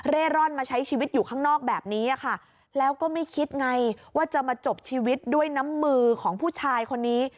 ร่อนมาใช้ชีวิตอยู่ข้างนอกแบบนี้ค่ะแล้วก็ไม่คิดไงว่าจะมาจบชีวิตด้วยน้ำมือของผู้ชายคนนี้